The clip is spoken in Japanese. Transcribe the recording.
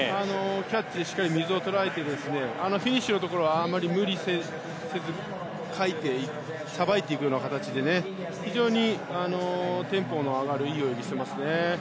キャッチでしっかり水をとらえてフィニッシュのところあまり無理せずさばいていくような形で非常にテンポの上がるいい泳ぎをしていますね。